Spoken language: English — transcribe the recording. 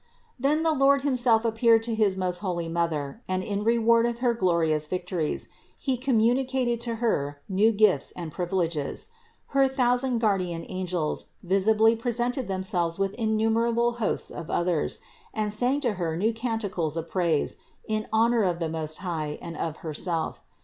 371. Then the Lord himself appeared to his most holy Mother, and in reward of her glorious victories He com municated to Her new gifts and privileges ; Her thou sand guardian angels visibly presented themselves with innumerable hosts of others, and sang to Her new canti cles of praise in honor of the Most High and of Herself.